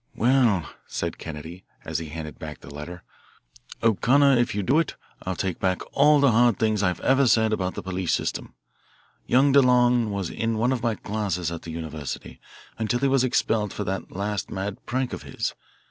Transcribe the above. "Well," said Kennedy, as he handed back the letter, "O'Connor, if you do it, I'll take back all the hard things I've ever said about the police system. Young DeLong was in one of my classes at the university, until he was expelled for that last mad prank of his.